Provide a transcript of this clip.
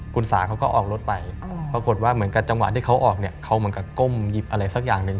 กุณฑ์สาหก็ออกรถไปปรากฏว่าจังหวะที่เขาออกเขาก็ก้มหยิบอะไรสักอย่างเลือก